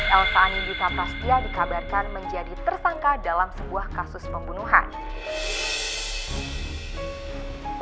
elsa andika prastia dikabarkan menjadi tersangka dalam sebuah kasus pembunuhan